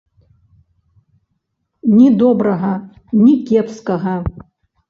Ні добрага, ні кепскага.